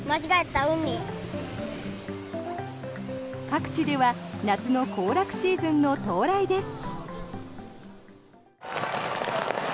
各地では夏の行楽シーズンの到来です。